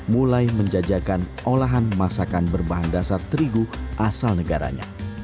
mulai menjajakan olahan masakan berbahan dasar terigu asal negaranya